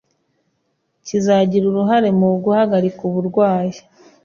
kizagira uruhare mu guhagarika uburwayi